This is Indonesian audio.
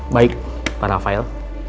baik para fail